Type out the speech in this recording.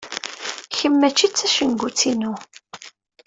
Kemm mačči d tacengut-inu.